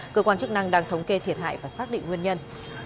cơ quan chức năng đang thống kê thiệt hại và xác định nguyên nhân